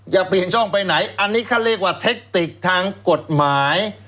อย่าเปลี่ยนช่องไปไหนอันนี้เขาเรียกว่าเทคติกทางกฎหมาย